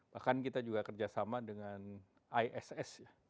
bahkan kita juga kerjasama dengan iss ya